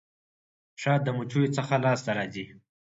شات د مچيو څخه لاسته راځي.